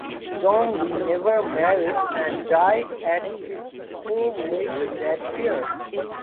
John Lee never married and died at his home later that year.